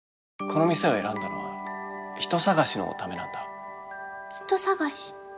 この店を選んだのは人探しのためなんだ人探し？